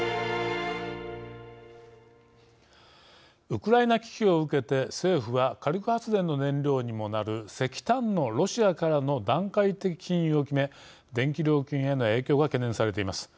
ウクライナ危機を受けて政府は火力発電の燃料にもなる石炭のロシアからの段階的禁輸を決め電気料金への影響が懸念されています。